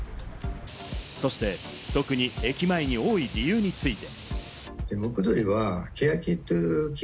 そして特に駅前に多い理由について。